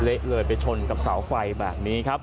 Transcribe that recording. เละเลยไปชนกับเสาไฟแบบนี้ครับ